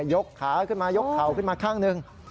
กขาขึ้นมายกเข่าขึ้นมาข้างหนึ่ง